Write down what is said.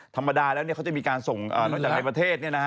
ธรรมดาแล้วเขาจะมีการส่งนอกจากในประเทศ